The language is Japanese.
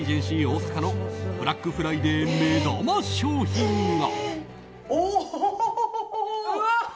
大阪のブラックフライデー目玉商品が。